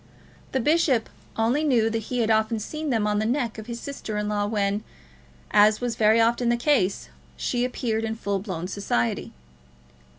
The bishop only knew that he had often seen them on the neck of his sister in law when, as was very often the case, she appeared in full blown society.